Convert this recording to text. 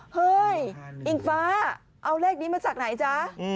เฮ้ยอิงฟ้าเอาเลขนี้มาจากไหนจ๊ะ